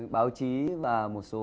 báo chí và một số